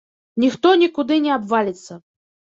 Ніхто нікуды не абваліцца.